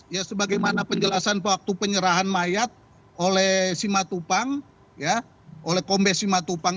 lima belas ya sebagaimana penjelasan waktu penyerahan mayat oleh simatupang ya oleh kombe simatupang